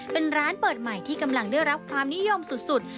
เป็นร้านเปิดใหม่ที่กำลังได้รับความนิยมสุด